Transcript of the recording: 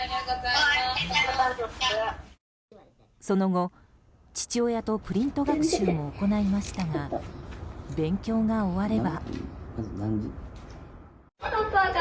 その後、父親とプリント学習も行いましたが勉強が終われば。